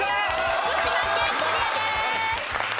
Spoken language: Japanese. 福島県クリアです。